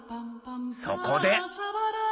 そこで。